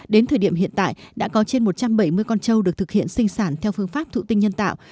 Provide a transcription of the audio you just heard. đến thời điểm hiện tại đã có trên một trăm bảy mươi con trâu được thực hiện sinh sản theo phương pháp thụ tinh nhân tạo